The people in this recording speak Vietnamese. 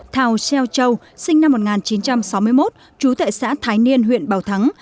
thảo xeo châu sinh năm một nghìn chín trăm sáu mươi một trú tại xã thái niên huyện bảo thắng